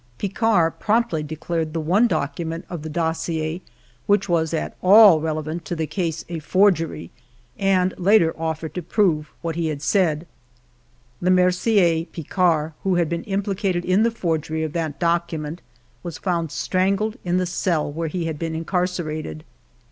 Picquart promptly declared the one document of the dossier which was at all relevant to the case a forgery, and later offered to prove what he said. Lemercier Picard, who had been implicated in the forgery of that document, was found strangled in the cell where he had been incarcerated.